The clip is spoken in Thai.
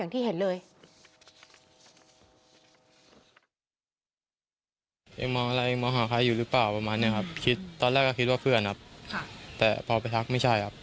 ตอนแรกก็คิดว่าเพื่อนแต่พอไปทักไม่ใช่